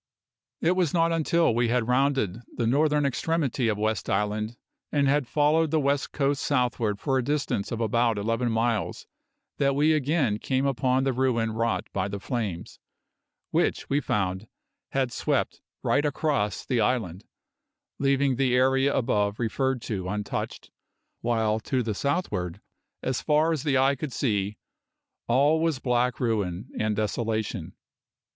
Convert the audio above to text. It was not until we had rounded the northern extremity of West Island and had followed the west coast southward for a distance of about eleven miles that we again came upon the ruin wrought by the flames, which, we found, had swept right across the island, leaving the area above referred to untouched, while to the southward, as far as the eye could see, all was black ruin and desolation.